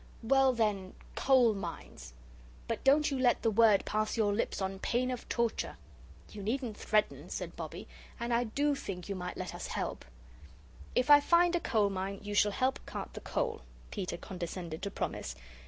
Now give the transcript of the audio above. "Well, then, COAL mines. But don't you let the word pass your lips on pain of torture." "You needn't threaten," said Bobbie, "and I do think you might let us help." "If I find a coal mine, you shall help cart the coal," Peter condescended to promise.